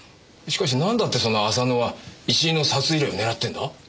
しかしなんだってその浅野は石井の札入れを狙ってんだ？